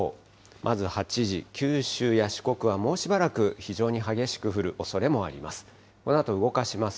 まず８時、九州や四国はもうしばらく非常に激しく降るおそれもあります。